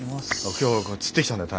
今日は釣ってきたんだよ鯛。